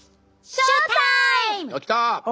ショータイム！